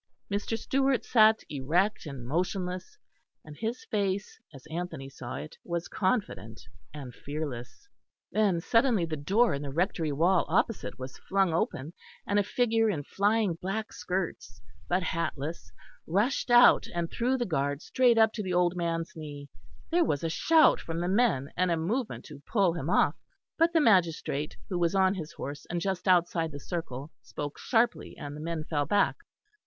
Mr. Stewart sat erect and motionless, and his face as Anthony saw it was confident and fearless. Then suddenly the door in the Rectory wall opposite was flung open, and a figure in flying black skirts, but hatless, rushed out and through the guard straight up to the old man's knee. There was a shout from the men and a movement to pull him off, but the magistrate who was on his horse and just outside the circle spoke sharply, and the men fell back.